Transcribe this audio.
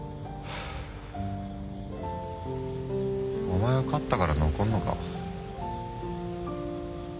お前は勝ったから残んのか？